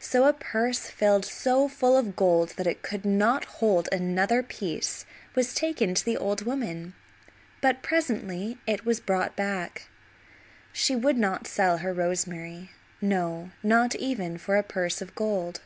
So a purse filled so full of gold that it could not hold another piece was taken to the old woman; but presently it was brought back. She would not sell her rosemary; no, not even for a purse of gold.